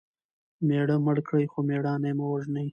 مېړه مړ کى؛ خو مړانه ئې مه وژنئ!